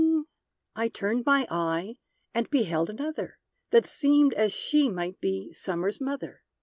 I turned my eye, and beheld another, That seemed as she might be Summer's mother.